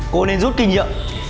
cô nên rút kinh dự